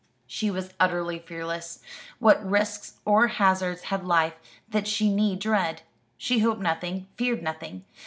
She was utterly fearless. What risks or hazards had life that she need dread? She hoped nothing feared nothing.